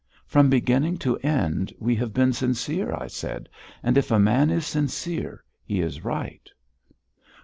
"From beginning to end we have been sincere," I said, "and if a man is sincere, he is right."